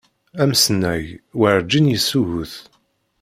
Amsnag, werǧin yessugut.